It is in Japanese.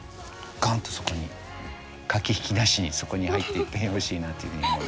そこに駆け引きなしにそこに入っていってほしいなというふうに思います。